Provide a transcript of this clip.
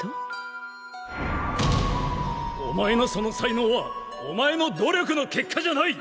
お前のその才能はお前の努力の結果じゃない！